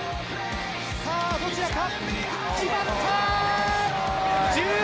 「さあどちらか？」